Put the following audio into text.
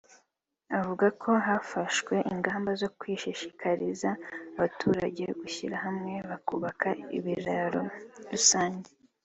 avuga ko hafashwe ingamba zo gushishikariza abaturage kwishyira hamwe bakubaka ibiraro rusange